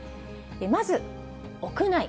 まず、屋内。